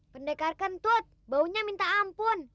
pendekar kentut baunya minta ampun